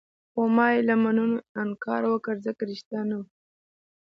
خو ما يې له منلو انکار وکړ، ځکه ريښتیا نه وو.